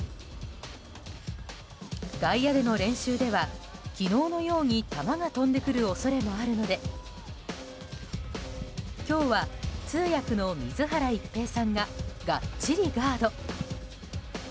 外野での練習では、昨日のように球が飛んでくる恐れもあるので今日は通訳の水原一平さんががっちりガード。